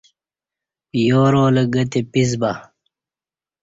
یارالہ گہ تے پیس با